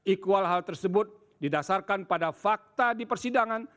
iqwal hal tersebut didasarkan pada fakta di persidangan